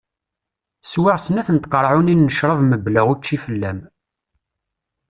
Swiɣ snat n tqaɛunin n crab mebla učči fell-am.